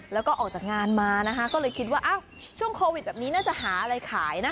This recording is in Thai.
แล้วก็ออกจากงานมานะคะก็เลยคิดว่าช่วงโควิดแบบนี้น่าจะหาอะไรขายนะ